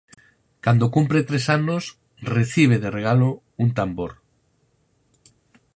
Cando cumpre tres anos recibe de regalo un tambor.